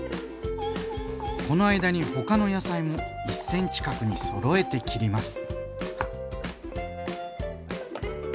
この間に他の野菜も１ｃｍ角にそろえて切ります。